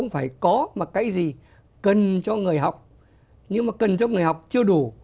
phải có một cái gì cần cho người học nhưng mà cần cho người học chưa đủ